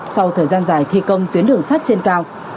sau thời gian dài thi công tuyến đường sắt trên cao